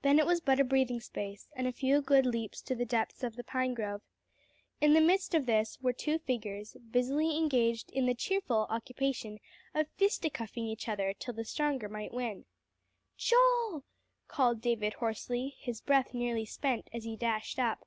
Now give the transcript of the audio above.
Then it was but a breathing space, and a few good leaps to the depths of the pine grove. In the midst of this were two figures, busily engaged in the cheerful occupation of fisticuffing each other till the stronger might win. "Joel!" called David hoarsely, his breath nearly spent as he dashed up.